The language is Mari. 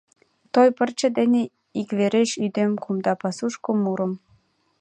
Той пырче дене иквереш Ӱдем кумда пасушко мурым.